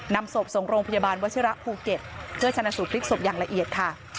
นำศพส่งโรงพยาบาลวชิระภูเก็ตเพื่อชนะสูตรพลิกศพอย่างละเอียดค่ะ